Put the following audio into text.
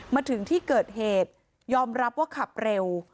มาถึงที่เกิดเหตุยอมรับว่าขับเร็ว